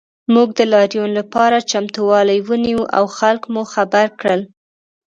موږ د لاریون لپاره چمتووالی ونیو او خلک مو خبر کړل